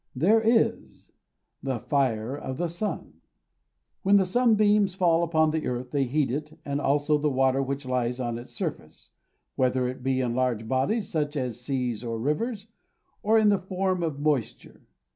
There is: the fire of the sun. When the sunbeams fall upon the earth, they heat it, and also the water which lies on its surface, whether it be in large bodies, such as seas or rivers, or in the form of moisture.